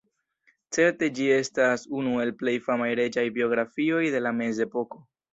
Certe ĝi estas unu el plej famaj reĝaj biografioj de la Mezepoko.